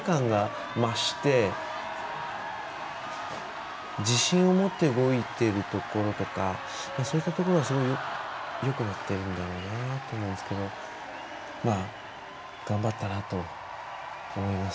安定感が増して自信を持って動いているところとかそういったところが、すごくよくなってるんだろうなと思うんですけども頑張ったなと思います。